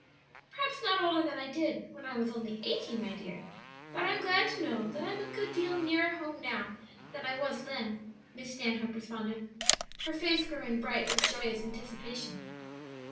"Perhaps not older than I did when I was only eighty, my dear; but I am glad to know that I am a good deal nearer home now than I was then," Miss Stanhope responded, her face growing bright with joyous anticipation.